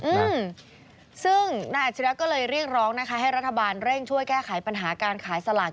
อืมซึ่งนายอัจฉริยะก็เลยเรียกร้องนะคะให้รัฐบาลเร่งช่วยแก้ไขปัญหาการขายสลาก